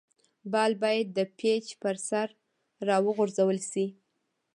بال باید د پيچ پر سر راوغورځول سي.